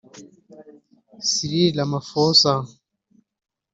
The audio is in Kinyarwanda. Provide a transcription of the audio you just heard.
Cyril Ramaphosa